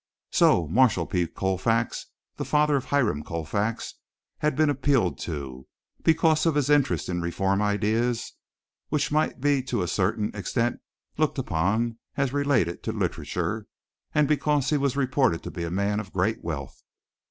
So Marshall P. Colfax, the father of Hiram Colfax, had been appealed to, because of his interest in reform ideas which might be to a certain extent looked upon as related to literature, and because he was reported to be a man of great wealth.